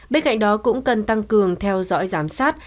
bên cạnh đó cũng cần tăng cường theo dõi giám sát